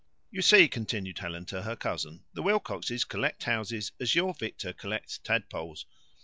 "You see," continued Helen to her cousin, "the Wilcoxes collect houses as your Victor collects tadpoles.